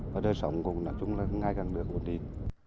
và đời sống của chúng là ngày càng được ổn định